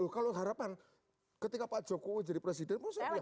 kalau harapan ketika pak jokowi jadi presiden saya harus punya harapan